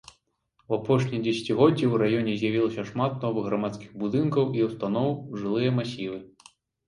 У апошнія дзесяцігоддзі ў раёне з'явілася шмат новых грамадскіх будынкаў і ўстаноў, жылыя масівы.